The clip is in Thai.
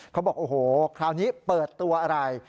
เขาบอกโอ้โหคราวนี้เปิดตัวอะไร